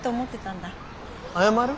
謝る？